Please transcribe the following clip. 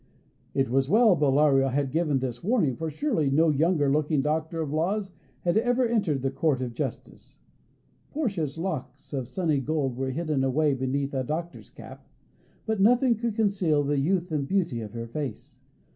It was well Bellario had given this warning, for surely no younger looking Doctor of Laws had ever entered the Court of Justice. Portia's locks of sunny gold were hidden away beneath the doctor's cap, but nothing could conceal the youth and beauty of her face.